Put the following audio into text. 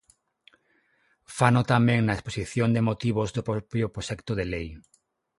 Fano tamén na exposición de motivos do propio proxecto de lei.